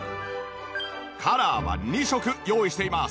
カラーは２色用意しています。